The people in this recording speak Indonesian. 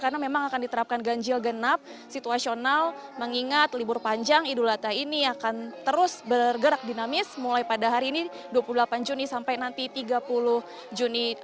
karena memang akan diterapkan ganjil genap situasional mengingat libur panjang idul adha ini akan terus bergerak dinamis mulai pada hari ini dua puluh delapan juni sampai nanti tiga puluh juni